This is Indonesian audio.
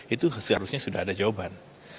itu seharusnya sudah ada jawaban